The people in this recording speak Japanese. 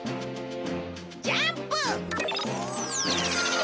ジャンプ！